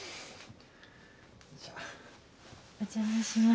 お邪魔します。